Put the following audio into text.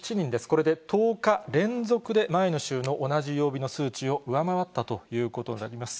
これで１０日連続で前の週の同じ曜日の数値を上回ったということになります。